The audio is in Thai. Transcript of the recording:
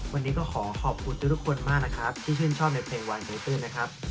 วันนี้ก็ขอขอบคุณทุกคนมากนะครับที่ชื่นชอบในเพลงวันดีตื้นนะครับ